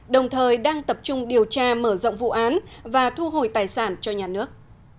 đồng thời đang tập trung điều tra mở rộng vụ án và thu hồi tài sản cho nhà nước